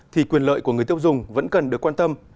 thì quyền lợi của người tiêu dùng vẫn cần được quan tâm